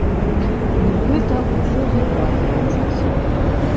Нібыта ўсё загразла ў часе.